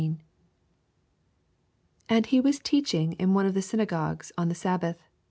10 And he was teacbinff in one of the synagogues on the Babbath.